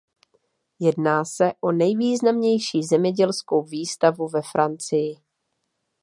Jedná se o nejvýznamnější zemědělskou výstavu ve Francii.